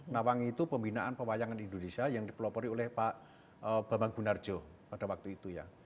nawangi itu pembinaan pewayangan indonesia yang dipelopori oleh pak bambang gunarjo pada waktu itu ya